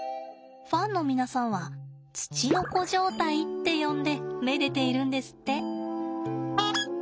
ファンの皆さんはツチノコ状態って呼んでめでているんですって。